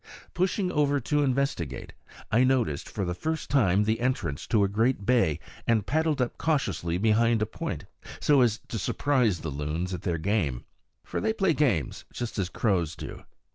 Pushing over to investigate, I noticed for the first time the entrance to a great bay, and paddled up cautiously behind a point, so as to surprise the loons at their game. For they play games, just as crows do.